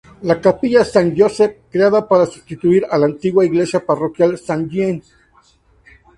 La capilla Saint-Joseph: creada para sustituir a la antigua iglesia parroquial Saint-Jean.